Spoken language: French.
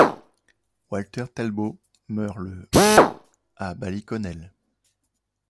Walter Talbot meurt le à Ballyconnell.